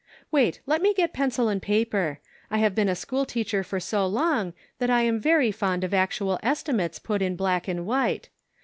Wait, let me get pencil and paper. I have been a school teacher for so long that I am very fond of actual estimates put in black and white.